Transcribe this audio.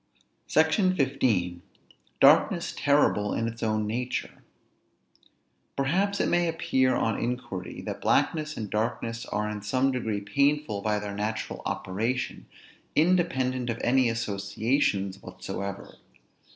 SECTION XV. DARKNESS TERRIBLE IN ITS OWN NATURE. Perhaps it may appear on inquiry, that blackness and darkness are in some degree painful by their natural operation, independent of any associations whatsoever.